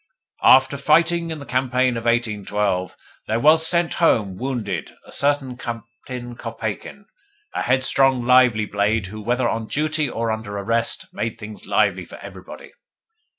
"After fighting in the campaign of 1812, there was sent home, wounded, a certain Captain Kopeikin a headstrong, lively blade who, whether on duty or under arrest, made things lively for everybody.